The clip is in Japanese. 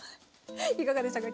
いかがでしたか？